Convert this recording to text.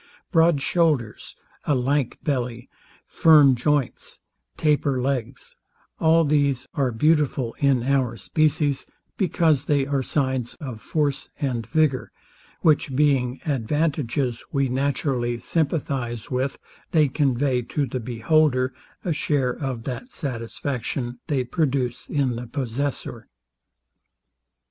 Broad shoulders, a lank belly, firm joints, taper legs; all these are beautiful in our species because they are signs of force and vigour, which being advantages we naturally sympathize with, they convey to the beholder a share of that satisfaction they produce in the possessor.